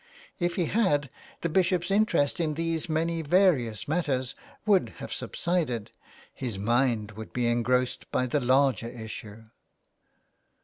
If he had, the Bishop's interest in these many various matters would have subsided : his mind would be engrossed by the larger issue.